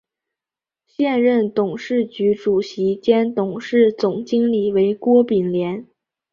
现任董事局主席兼董事总经理为郭炳联。